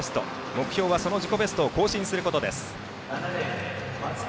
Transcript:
目標は自己ベストを更新することです。